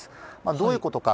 どういうことか。